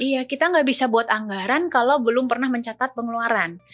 iya kita nggak bisa buat anggaran kalau belum pernah mencatat pengeluaran